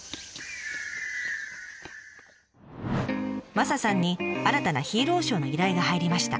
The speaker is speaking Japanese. マサさんに新たなヒーローショーの依頼が入りました。